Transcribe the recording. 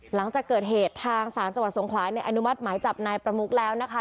หลังจากเกิดเหตุทางศาลจังหวัดสงขลาเนี่ยอนุมัติหมายจับนายประมุกแล้วนะคะ